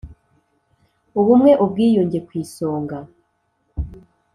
ubumwe ubwiyunge ku isonga